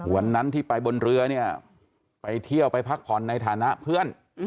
วันนั้นที่ไปบนเรือเนี่ยไปเที่ยวไปพักผ่อนในฐานะเพื่อน